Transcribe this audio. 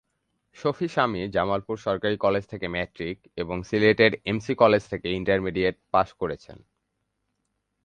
শফি সামি জামালপুর সরকারি কলেজ থেকে ম্যাট্রিক এবং সিলেটের এমসি কলেজ থেকে ইন্টারমিডিয়েট পাস করেছেন।